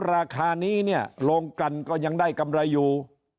ราคานี้เนี่ยลงกันก็ยังได้กำไรอยู่